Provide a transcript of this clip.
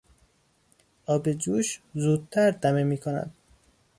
آب جوش زودتر دمه میکند.